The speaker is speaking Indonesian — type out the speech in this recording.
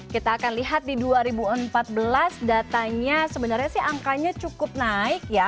kita akan lihat di dua ribu empat belas datanya sebenarnya sih angkanya cukup naik ya